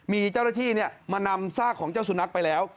มีเจ้าหน้าที่มานำซากของเจ้าสุนัขไปแล้ว